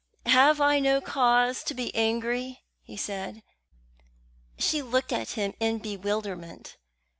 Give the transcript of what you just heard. "Have I no cause to be angry?" he said. She looked at him in bewilderment.